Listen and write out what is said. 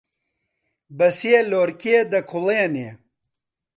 بەسێ لۆرکێ دەکوڵێنێ